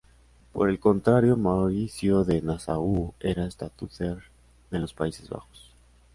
Por el contrario, Mauricio de Nassau era estatúder de los Países Bajos.